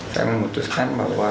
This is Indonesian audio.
saya memutuskan bahwa